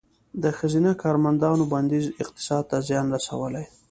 د ښځینه کارمندانو بندیز اقتصاد ته زیان رسولی؟